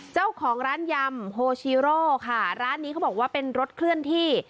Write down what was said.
เจ้าของร้านยำโฮชีโร่ค่ะร้านนี้เขาบอกว่าเป็นรถเคลื่อนที่